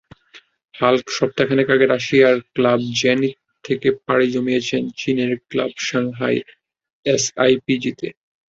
Hulk সপ্তাহখানেক আগে রাশিয়ার ক্লাব জেনিত থেকে পাড়ি জমিয়েছেন চীনের ক্লাব সাংহাই এসআইপিজিতে।